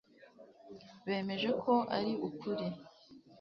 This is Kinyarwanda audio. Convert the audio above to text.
bemeje ko ari ukuri